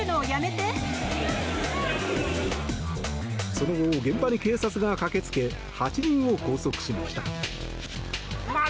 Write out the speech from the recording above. その後、現場に警察が駆け付け８人を拘束しました。